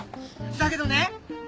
だけどね